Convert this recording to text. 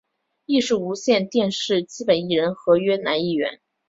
亦是无线电视基本艺人合约男艺员。